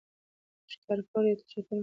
شکارپور یو تجارتي مرکز و.